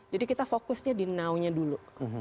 jadi kita fokusnya di now nya dulu